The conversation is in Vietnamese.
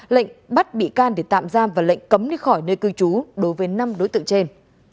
lệnh bắt bị can để tạm giam và lệnh cấm đi khỏi nơi cư trú đối với năm đối tượng trên